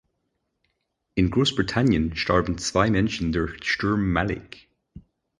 In Großbritannien starben zwei Menschen durch Sturm Malik.